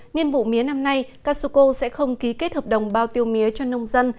nhiên vụ mía năm nay casuco sẽ không ký kết hợp đồng bao tiêu mía cho nông dân